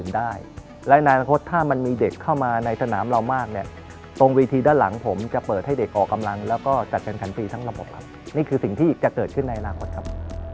ได้และอนาคตถ้ามันมีเด็กเข้ามาในสนามเรามากเนี้ยตรงวิธีด้านหลังผมจะเปิดให้เด็กออกกำลังแล้วก็จัดแข่งขันฟรีทั้งระบบครับนี่คือสิ่งที่อีกจะเกิดขึ้นในอนาคตครับ